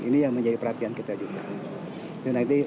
ini yang menjadi perhatian kita juga